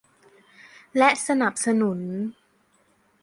และสนับสนุน